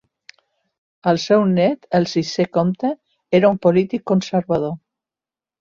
El seu nét, el sisè comte, era un polític conservador.